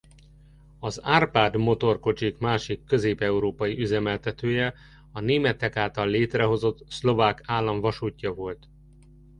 Az Árpád motorkocsik másik Közép-európai üzemeltetője a németek által létrehozott Szlovák Állam vasútja volt.